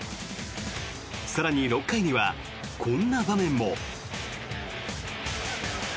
更に、６回にはこんな場面も。